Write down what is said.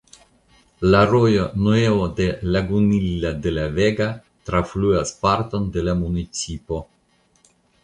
La rojo "Nuevo de Lagunilla de la Vega" trafluas parton de la municipo.